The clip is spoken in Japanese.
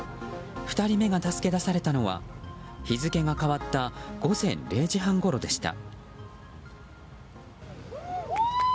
２人目が助け出されたのは日付が変わった午前０時半ごろでした。